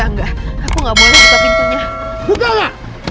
enggak aku gak boleh buka pintunya